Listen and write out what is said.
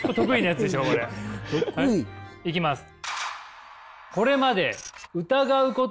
いきます。